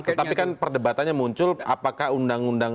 tetapi kan perdebatannya muncul apakah undang undang